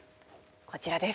こちらです。